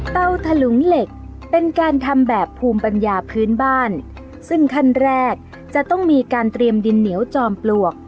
ถลุงเหล็กเป็นการทำแบบภูมิปัญญาพื้นบ้านซึ่งขั้นแรกจะต้องมีการเตรียมดินเหนียวจอมปลวก